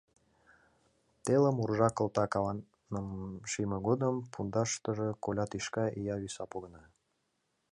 Телым уржа кылта каваным шийме годым пундаштыже коля тӱшка ия виса погына.